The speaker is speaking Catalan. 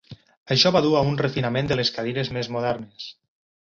Això va dur a un refinament de les cadires més modernes.